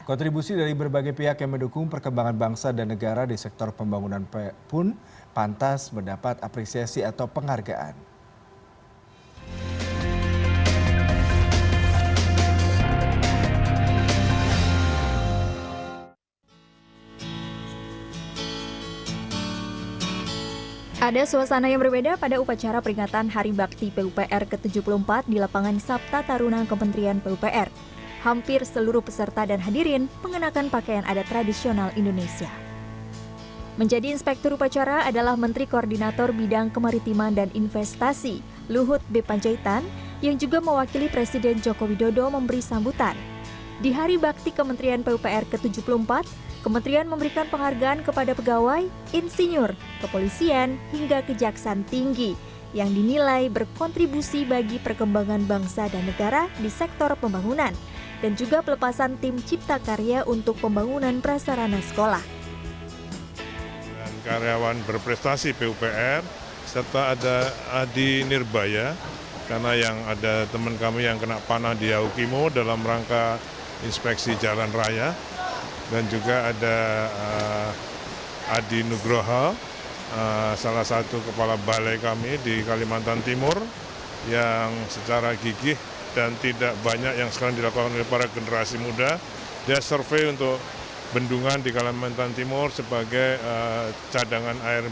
kontribusi dari berbagai pihak yang mendukung perkembangan bangsa dan negara di sektor pembangunan pun pantas mendapat apresiasi atau penghargaan